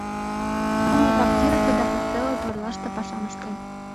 Тудо трактирыште да постоялый дворлаште пашам ыштен.